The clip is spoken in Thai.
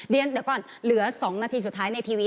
เดี๋ยวก่อนเหลือ๒นาทีสุดท้ายในทีวี